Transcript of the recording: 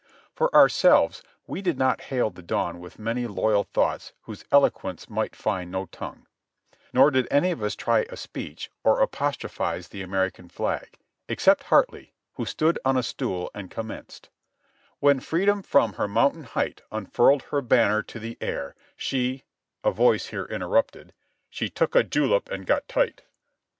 For ourselves we did not hail the dawn with many loyal thoughts whose eloquence might find no tongue ; nor did any of us try a speech or apostrophize the American flag, except Hartley, who stood on a stool and commenced :" 'When Freedom from her mountain height Unfurled her banner to the air She—' " a voice here interrupted — "She took a julep and got tight."